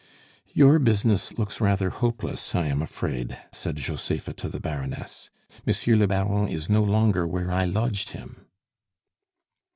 "Your business looks rather hopeless, I am afraid," said Josepha to the Baroness. "Monsieur le Baron is no longer where I lodged him."